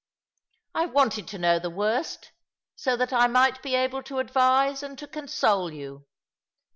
I wanted to know the worst, so that I might be able to advise and to console you.